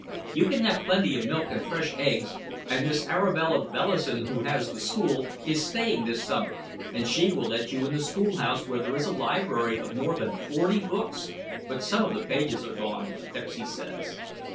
You can have plenty of milk and fresh eggs and Miss Arabella Bellison who has the school is staying this summer and she will let you in the school house where there is a library of more than forty books but some of the pages are gone Pepsy says.